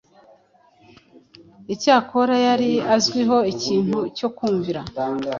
Icyakora yari azwiho ikintu cyo kumvira,